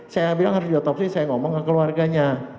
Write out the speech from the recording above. saya bilang harus diotopsi saya ngomong ke keluarganya